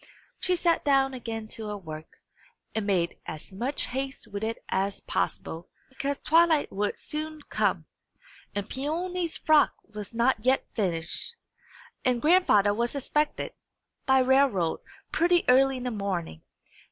She sat down again to her work, and made as much haste with it as possible; because twilight would soon come, and Peony's frock was not yet finished, and grandfather was expected, by railroad, pretty early in the morning.